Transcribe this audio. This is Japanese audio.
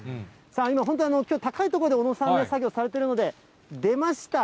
今、本当きょう、高い所で小野さんが作業されてるので、出ました。